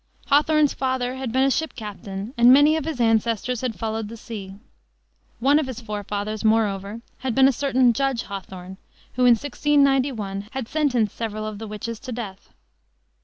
Hawthorne's father had been a ship captain, and many of his ancestors had followed the sea. One of his forefathers, moreover, had been a certain Judge Hawthorne, who in 1691 had sentenced several of the witches to death.